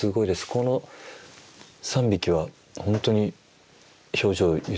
この３匹はほんとに表情豊かです。